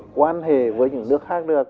quan hệ với những nước khác được